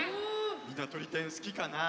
みんなとり天すきかなあ？